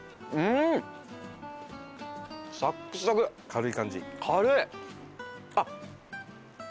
軽い感じ？